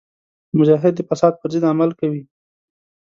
مجاهد د فساد پر ضد عمل کوي.